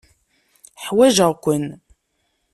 Ḥwajeɣ-ken.